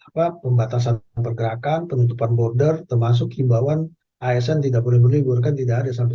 pembatasan pergerakan penutupan border termasuk himbawan asn tidak boleh berlibur tidak ada sampai